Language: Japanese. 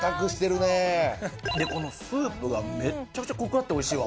でこのスープがめちゃくちゃコクあっておいしいわ。